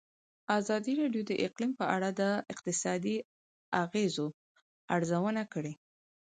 ازادي راډیو د اقلیم په اړه د اقتصادي اغېزو ارزونه کړې.